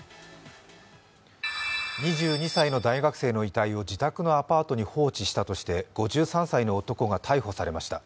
２２歳の大学生の遺体を自宅のアパートに放置したとして５３歳の男が逮捕されました。